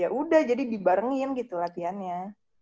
ya udah jadi dibarengin gitu latihannya